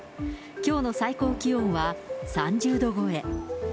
きょうの最高気温は３０度超え。